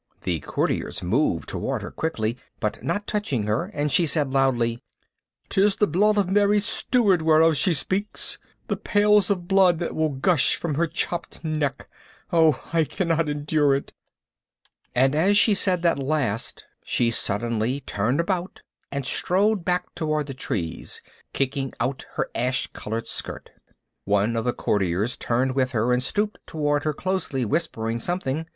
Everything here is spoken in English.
The courtiers moved toward her quickly, but not touching her, and she said loudly, "Tis the blood of Mary Stuart whereof she speaks the pails of blood that will gush from her chopped neck. Oh, I cannot endure it!" And as she said that last, she suddenly turned about and strode back toward the trees, kicking out her ash colored skirt. One of the courtiers turned with her and stooped toward her closely, whispering something.